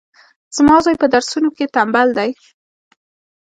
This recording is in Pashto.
زما زوی پهدرسونو کي ټمبل دی